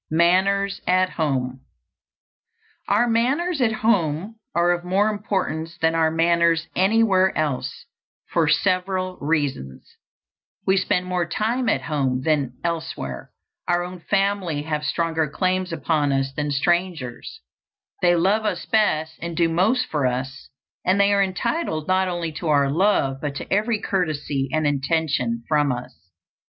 MANNERS AT HOME. OUR manners at home are of more importance than our manners anywhere else, for several reasons: we spend more time at home than elsewhere; our own family have stronger claims upon us than strangers; they love us best and do most for us, and they are entitled not only to our love but to every courtesy and attention from us.